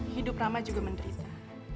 hidup rama juga menderita